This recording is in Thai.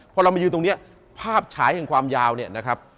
พอเรามายืนตรงนี้ภาพฉายแห่งความยาวเนี่ยนะครับ